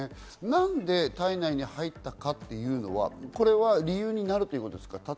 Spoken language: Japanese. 何で体内に入ったかというのは理由になるということですか？